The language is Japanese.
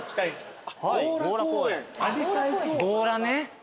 強羅ね。